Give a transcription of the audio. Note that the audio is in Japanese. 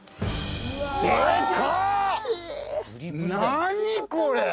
何これ？